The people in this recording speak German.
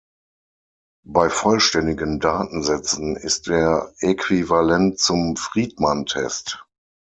Bei vollständigen Datensätzen ist er äquivalent zum Friedman-Test.